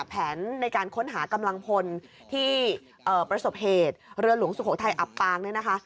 แผนในการค้นหากำลังพลที่ประสบเหตุเรือหลวงสุโขทัยอับปางเนี่ยนะคะ